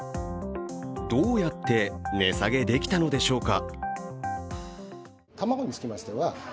どうやって値下げできたのでしょうか。